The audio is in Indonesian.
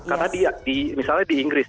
karena misalnya di inggris